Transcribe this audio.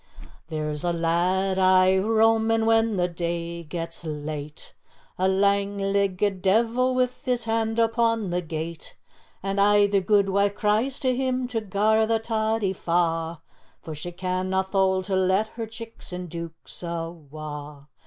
"There's a lad aye roamin' when the day gets late, A lang leggit deevil wi' his hand upon the gate, And aye the guidwife cries to him to gar the toddie fa', For she canna thole to let her chicks an' deuks awa'.